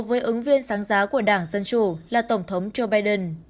với ứng viên sáng giá của đảng dân chủ là tổng thống joe biden